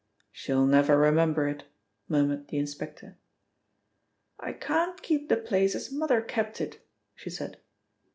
"She'll never remember it," murmured the inspector. "I can't keep the place as mother kept it," she said.